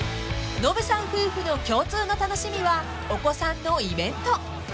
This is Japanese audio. ［ノブさん夫婦の共通の楽しみはお子さんのイベント］